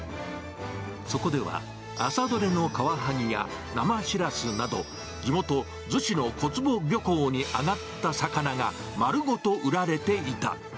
そこでは朝どれのカワハギや生シラスなど、地元、逗子の小坪漁港に揚がった魚がまるごと売られていた。